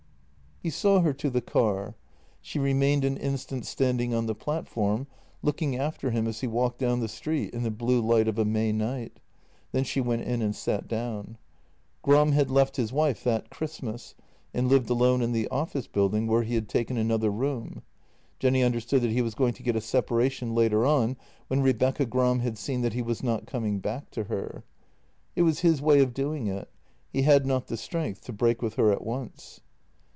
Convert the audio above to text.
He saw her to the car. She remained an instant stand ing on the platform, looking after him as he walked down the street in the blue light of a May night. Then she went in and sat down. Gram had left his wife that Christmas, and lived alone in the office building, where he had taken another room. Jenny un derstood that he was going to get a separation later on when Rebecca Gram had seen that he was not coming back to her. It was his way of doing it; he had not the strength to break with her at once.